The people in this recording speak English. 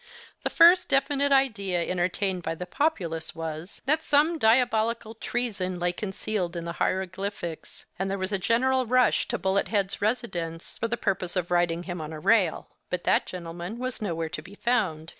The first definite idea entertained by the populace was, that some diabolical treason lay concealed in the hieroglyphics; and there was a general rush to Bullet head's residence, for the purpose of riding him on a rail; but that gentleman was nowhere to be found.